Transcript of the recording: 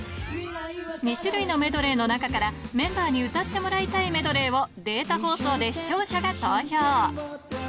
２種類のメドレーの中から、メンバーに歌ってもらいたいメドレーをデータ放送で視聴者が投票。